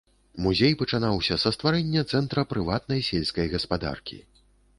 Музей пачынаўся са стварэння цэнтра прыватнай сельскай гаспадаркі.